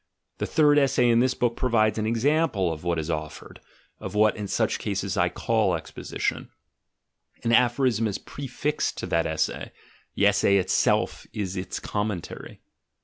The third essay in this book provides an example of what is offered, of what in such cases I call exposition: an aphorism is prefixed to that essay, the essay itself is its commentary.